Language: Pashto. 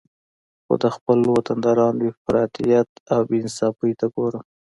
خو د خپل وطندارانو افراطیت او بې انصافي ته ګورم